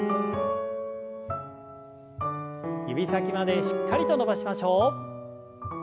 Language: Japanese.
指先までしっかりと伸ばしましょう。